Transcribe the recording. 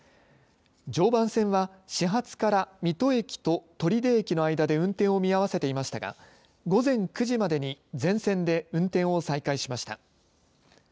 常磐線は始発から水戸駅と取手駅の間で運転を見合わせていましたが午前９時までに全線で運転を再開しました。